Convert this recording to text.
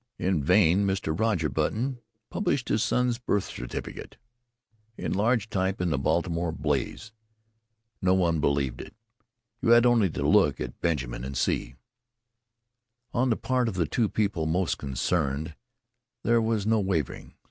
In vain Mr. Roger Button published his son's birth certificate in large type in the Baltimore Blaze. No one believed it. You had only to look at Benjamin and see. On the part of the two people most concerned there was no wavering.